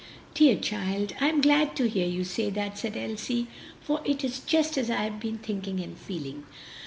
"Dear child! I am glad to hear you say that!" said Elsie, "for it is just as I have been thinking and feeling.